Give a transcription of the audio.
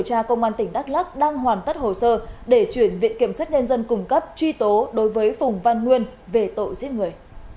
các nhân dân cung cấp truy tố đối với phùng văn nguyên về tội giết người